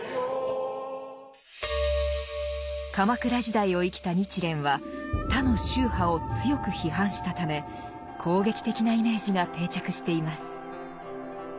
鎌倉時代を生きた日蓮は他の宗派を強く批判したため攻撃的なイメージが定着しています。